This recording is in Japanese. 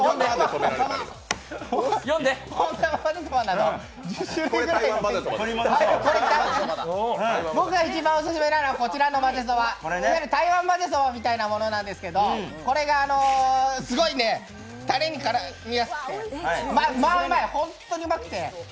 温玉まぜそばなど、１０種類くらい僕が一番オススメなのがこちらのまぜそば、台湾まぜそばみたいなものなんですけど、これがすごいね、たれに絡みやすくて、うまくて。